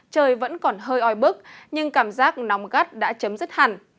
trời vẫn còn hơi oi bức nhưng cảm giác nóng gắt đã chấm dứt hẳn